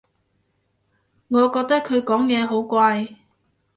我覺得佢講嘢好怪